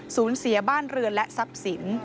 สูญเสียบ้านเรือนและทรัพย์สิน